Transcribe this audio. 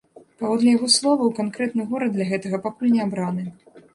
Паводле яго словаў, канкрэтны горад для гэтага пакуль не абраны.